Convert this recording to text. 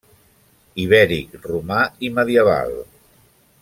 Ibèric, romà i medieval.